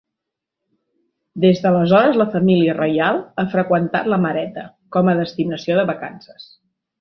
Des d'aleshores la família reial ha freqüentat La Mareta com a destinació de vacances.